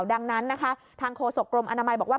ดังนั้นทางโคศกรมอนามัยบอกว่า